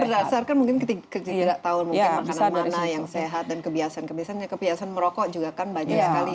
karena berdasarkan mungkin ketika tidak tahu mungkin makanan mana yang sehat dan kebiasaan kebiasaan kebiasaan merokok juga kan banyak sekali di daerah yang